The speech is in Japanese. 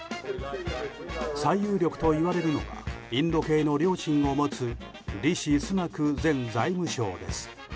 最有力といわれるのがインド系の両親を持つリシ・スナク前財務相です。